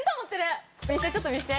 一瞬ちょっと見せて。